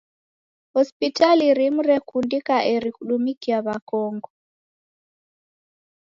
Hospitali rimu rekundika eri kudumikia w'akongo.